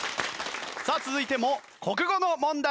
さあ続いても国語の問題です。